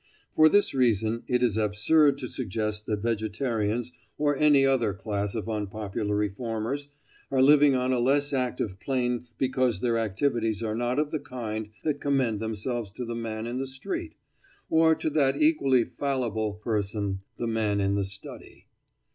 For this reason it is absurd to suggest that vegetarians, or any other class of unpopular reformers, are living on a less active plane because their activities are not of the kind that commend themselves to the man in the street—or to that equally fallible person, the man in the study.